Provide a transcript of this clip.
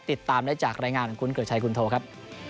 ติดตามได้จากรายงานของคุณเกริกชัยคุณโทครับ